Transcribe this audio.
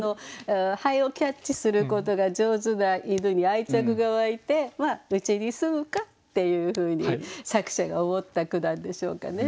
蠅をキャッチすることが上手な犬に愛着が湧いてうちに住むかっていうふうに作者が思った句なんでしょうかね。